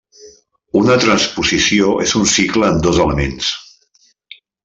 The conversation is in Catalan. Una transposició és un cicle amb dos elements.